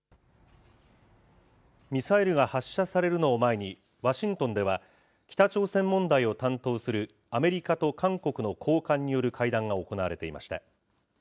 ミサイルが発射されるのを前にワシントンでは、北朝鮮問題を担当するアメリカと韓国の高官による会談が行われていました。